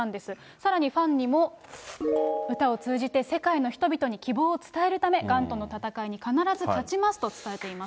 さらにファンにも、歌を通じて、世界の人々に希望を伝えるため、がんとの闘いに必ず勝ちますと伝えています。